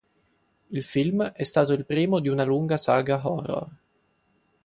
Il film è stato il primo di una lunga saga horror.